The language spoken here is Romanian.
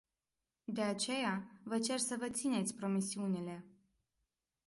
De aceea, vă cer să vă țineți promisiunile!